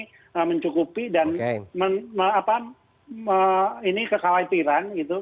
ini mencukupi dan ini kekhawatiran gitu